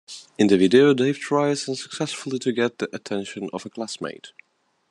In the video Dave tries unsuccessfully to get the attention of a classmate.